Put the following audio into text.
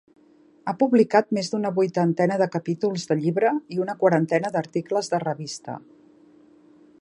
Ha publicat més d'una vuitantena de capítols de llibre i una quarantena d'articles de revista.